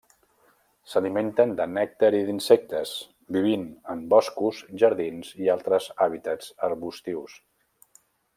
S'alimenten de nèctar i d'insectes, vivint en boscos, jardins i altres hàbitats arbustius.